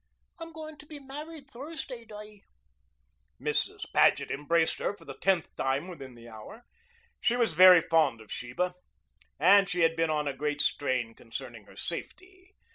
"I'm going to be married Thursday, Di." Mrs. Paget embraced her for the tenth time within the hour. She was very fond of Sheba, and she had been on a great strain concerning her safety.